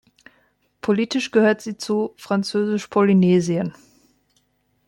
Politisch gehört sie zu Französisch-Polynesien.